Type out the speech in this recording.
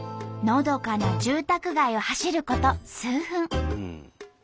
のどかな住宅街を走ること数分。